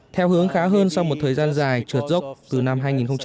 theo hướng khá hơn sau một thời gian dài trượt dốc từ năm hai nghìn một mươi